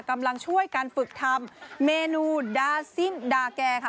กำลังช่วยการฝึกทำเมนูดาซินดาแก่ค่ะ